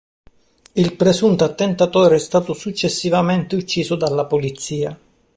Il presunto attentatore è stato successivamente ucciso dalla polizia.